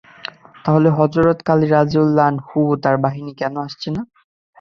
তাহলে হযরত খালিদ রাযিয়াল্লাহু আনহু ও তাঁর বাহিনী কেন আসছে না?